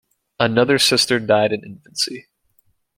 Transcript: Another sister died in infancy.